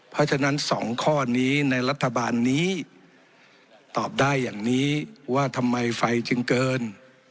เพราะฉะนั้น๒ข้อนี้ในรัฐบาลนี้ตอบได้อย่างนี้ว่าทำไมไฟจึงเกิน